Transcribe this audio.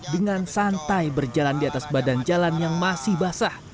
dengan santai berjalan di atas badan jalan yang masih basah